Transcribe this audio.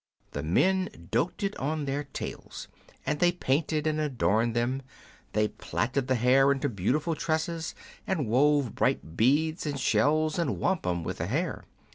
The men doted on their tails, and they painted and adorned them ; they platted the hair into beautiful tresses, and wove bright beads and shells and wampum with the hair.